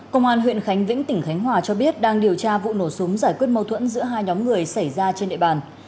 công an huyện khánh vĩnh tỉnh khánh hòa cho biết đang điều tra vụ nổ súng giải quyết mâu thuẫn giữa hai nhóm người xảy ra trên địa bàn